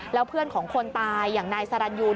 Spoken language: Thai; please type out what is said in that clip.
แล้วเพื่อนของคนตายอย่างนายสรรยูน